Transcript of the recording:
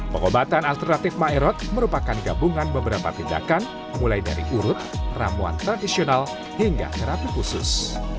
pengobatan alternatif maerot merupakan gabungan beberapa tindakan mulai dari urut ramuan tradisional hingga terapi khusus